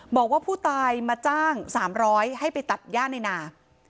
บอกว่าผู้ตายมาจ้าง๓๐๐ให้ไปตัดย่าในนา